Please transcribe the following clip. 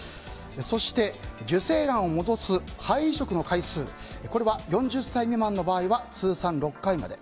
そして、受精卵を戻す胚移植の回数これは４０歳未満の場合は通算６回まで。